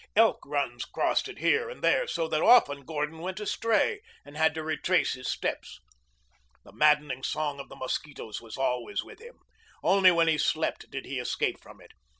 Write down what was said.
Elk runs crossed it here and there, so that often Gordon went astray and had to retrace his steps. The maddening song of the mosquitoes was always with him. Only when he slept did he escape from it.